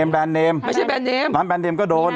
แบรนด์เนมแบรนด์เนมร้านแบรนด์เนมก็โดน